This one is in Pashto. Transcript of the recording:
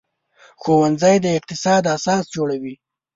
ښوونځی د اقتصاد اساس جوړوي